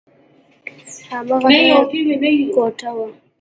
هماغه لويه کوټه وه.